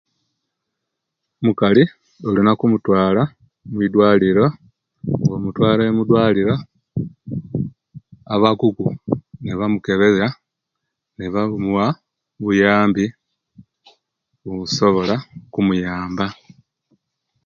Omukali olina okumutwala mudwaliro nga omutwaire mudwaliro abakugu nibamukebera nibamuwa obuyambi obusobola okumuyaba